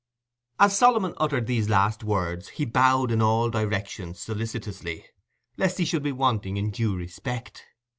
As Solomon uttered the last words, he bowed in all directions solicitously, lest he should be wanting in due respect.